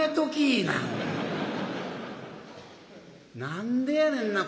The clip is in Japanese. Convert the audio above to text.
何でやねんな